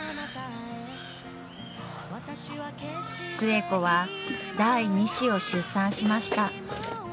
・寿恵子は第２子を出産しました。